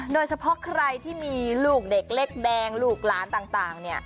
โดยเฉพาะใครที่มีลูกเด็กเล็กแดงลูกหลานต่าง